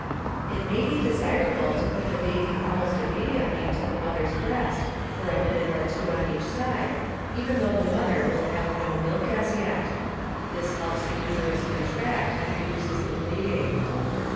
It may be desirable to put the baby almost immediately to the mother's breast for a minute or two on each side even though the mother will have no milk as yet. This helps the uterus contract, and reduces the bleeding.